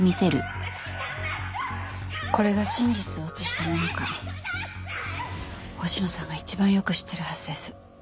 これが真実を映したものか忍野さんが一番よく知ってるはずです。